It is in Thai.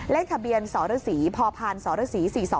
เล่นทะเบียนสศพพศศ๔๒๑